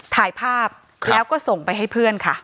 ถ่ายภาพแล้วก็ส่งไปให้เพื่อนค่ะ